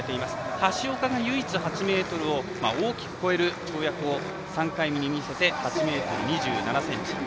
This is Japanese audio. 橋岡が唯一、８ｍを大きく超える跳躍を、３回目に見せて８ｍ２７ｃｍ。